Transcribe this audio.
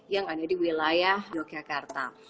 yang ada di wilayah yogyakarta